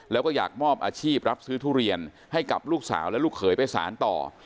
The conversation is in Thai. แล้วก็อยากมอบอาชีพรับซื้อทุเรียนให้กับลูกสาวและลูกเขยไปสารต่อ